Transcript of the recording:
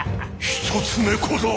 ・一つ目小僧！